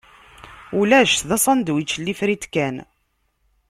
Ulac, d asandwič n lifrit kan.